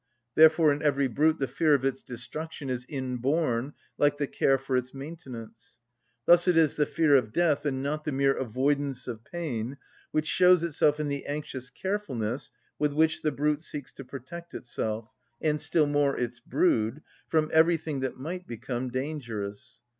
Therefore in every brute the fear of its destruction is inborn, like the care for its maintenance. Thus it is the fear of death, and not the mere avoidance of pain, which shows itself in the anxious carefulness with which the brute seeks to protect itself, and still more its brood, from everything that might become dangerous.